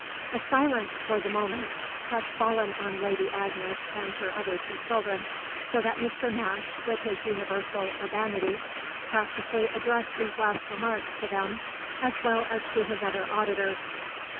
A silence, for the moment, had fallen on Lady Agnes and her other two children, so that Mr. Nash, with his universal urbanity, practically addressed these last remarks to them as well as to his other auditors.